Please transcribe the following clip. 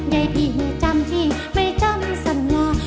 ได้พี่จำที่ไม่จำสัญญา